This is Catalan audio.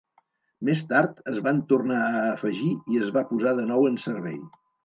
Més tard es van tornar a afegir i es va posar de nou en servei.